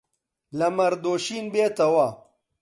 لە مەڕ دۆشین بێتەوە